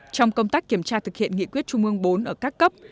trong công tác kiểm tra thực hiện nghị quyết trung ương bốn ở các cấp